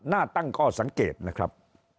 หน้าตั้งก็สังเกตนะครับ